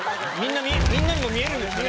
みんなにも見えるんですかね？